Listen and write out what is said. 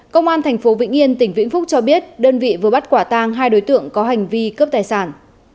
công an tp vĩnh yên tỉnh vĩnh phúc cho biết đơn vị vừa bắt quả tang hai đối tượng có hành vi cướp tài sản